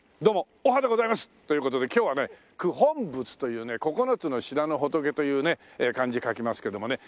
おはでございます！という事で今日はね九品仏というね九つの知らぬ仏というね漢字書きますけどもね。